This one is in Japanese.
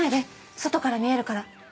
外から見えるから。